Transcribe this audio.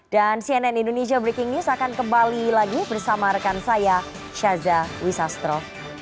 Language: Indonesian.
cnn indonesia breaking news akan kembali lagi bersama rekan saya syaza wisastro